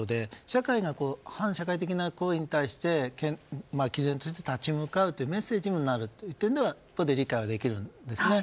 社会が反社会的な行為に対して毅然として立ち向かうというメッセージになる点では理解はできるんですね。